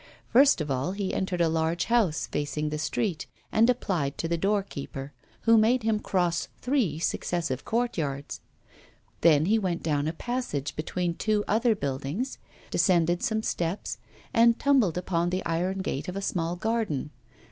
First of all he entered a large house facing the street, and applied to the doorkeeper, who made him cross three successive courtyards; then he went down a passage, between two other buildings, descended some steps, and tumbled upon the iron gate of a small garden.